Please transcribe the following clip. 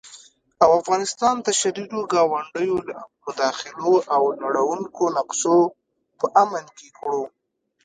او افغانستان د شريرو ګاونډيو له مداخلو او نړوونکو نقشو په امن کې کړو